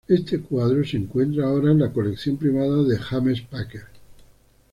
Este cuadro se encuentra ahora en la colección privada de James Packer.